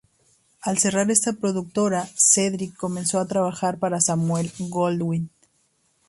Al cerrar esta productora, Cedric comenzó a trabajar para Samuel Goldwyn.